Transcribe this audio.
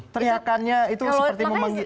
teriakannya itu seperti memang